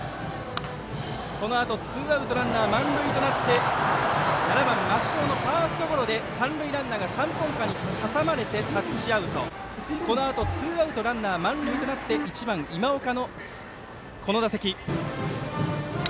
そのあとツーアウトランナー満塁となって７番、松尾のファーストゴロで三塁ランナーが三本間に挟まれてタッチアウト、このあとツーアウト、ランナー満塁となって１番今岡のこの打席。